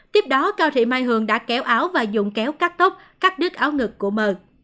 tiếp đó cao thị mai hường đã kéo áo và dùng kéo cắt tốc cắt đứt áo ngực của m